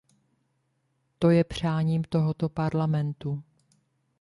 To je přáním tohoto Parlamentu.